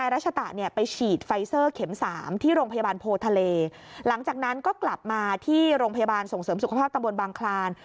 โรงพยาบาลส่งเสริมสุขภาพตำบลบางคลาน